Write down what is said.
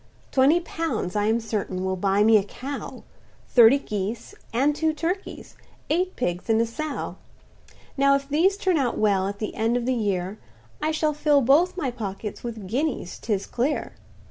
"Twenty pounds, I am certain, will buy me a cow, Thirty geese, and two turkeys—eight pigs and a sow; Now if these turn out well, at the end of the year, I shall fill both my pockets with guineas 'tis clear.